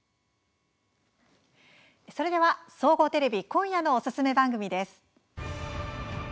総合テレビ今夜のおすすめ番組です。